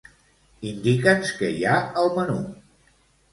Indica'ns què hi ha al menú.